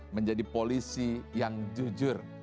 menjadi polisi yang jujur